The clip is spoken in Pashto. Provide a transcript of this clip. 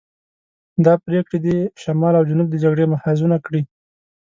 دا پرېکړې دې شمال او جنوب د جګړې محاذونه کړي.